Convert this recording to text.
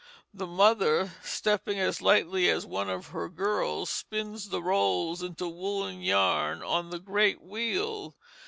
The mother, stepping as lightly as one of her girls, spins the rolls into woollen yarn on the great wheel.